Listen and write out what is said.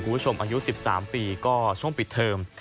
คุณผู้ชมอายุ๑๓ปีก็ช่วงปิดเทอม